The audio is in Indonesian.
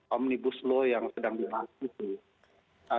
omnibus law yang sedang dihasilkan